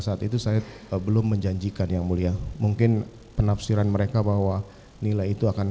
saat itu saya belum menjanjikan yang mulia mungkin penafsiran mereka bahwa nilai itu akan